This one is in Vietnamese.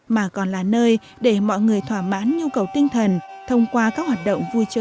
mà còn là nơi để mọi người thỏa mãn nhu cầu tinh thần thông qua các hoạt động vui chơi